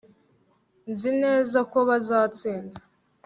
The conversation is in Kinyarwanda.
nzi neza ko bazatsinda